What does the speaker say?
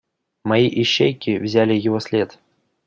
Мои ищейки взяли его след.